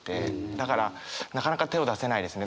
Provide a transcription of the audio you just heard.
だからなかなか手を出せないですね。